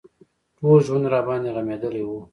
ټول ژوند راباندې غمېدلى و.